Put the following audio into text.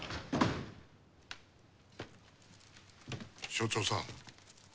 署長さん。